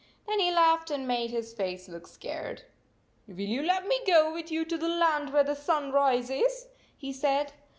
Then he laughed and made his face look scared. "Will you let me go with you to the land where the sun rises?" he said.